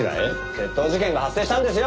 窃盗事件が発生したんですよ！